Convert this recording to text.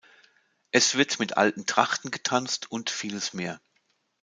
Es wird mit alten Trachten getanzt und vieles mehr.